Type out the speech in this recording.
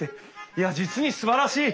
いや実にすばらしい！